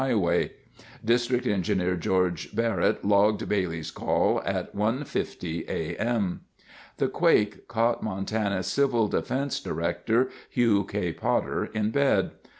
Highway District Engineer George Barrett logged Bailey's call at 1:50 A. M. The quake caught Montana's Civil Defense Director Hugh K. Potter in bed.